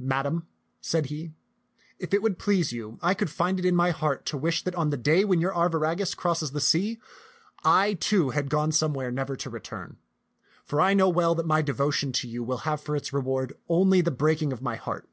"Madam," said he, "if it would please you, I could find it in my heart to wish that on the day when your Arviragus crossed the sea, I, too, had gone somewhere never to return ; for I know well that my devotion to you will have for its reward only the breaking of my heart.